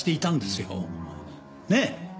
ねえ？